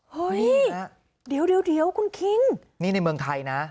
เฮ้ยเดี๋ยวคุณคิงนี่ในเมืองไทยนะ